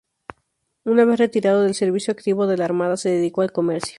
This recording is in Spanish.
Una vez retirado del servicio activo de la Armada se dedicó al comercio.